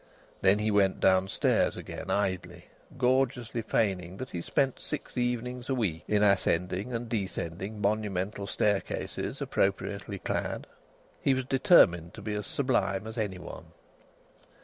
Then he went downstairs again, idly; gorgeously feigning that he spent six evenings a week in ascending and descending monumental staircases, appropriately clad. He was determined to be as sublime as any one.